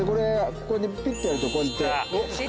ここでピッてやるとこうやって。